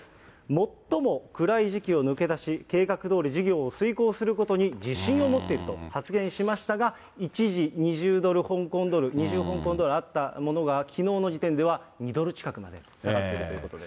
最も暗い時期を抜け出し、計画どおり事業を遂行することに自信を持っていると発言しましたが、一時、２０ドル香港ドル、２０香港ドルあったものが、きのうの時点では２ドル近くまで下がっているということで。